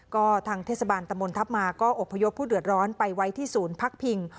ก็ทางเทศบาลตะมนทัพมาก็อบพยพผู้เดือดร้อนไปไว้ที่ศูนย์พักพิง